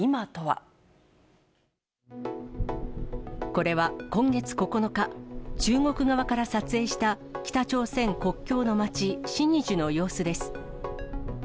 これは今月９日、中国側から撮影した北朝鮮国境の街、シニジュの様子です。